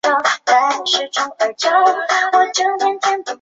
广岛东洋鲤鱼是一支隶属日本职棒中央联盟的球队。